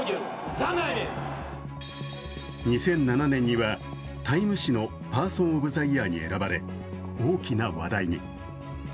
２００７年には「タイム」誌のパーソン・オブ・ザ・イヤーに選ばれ、大きな話題に。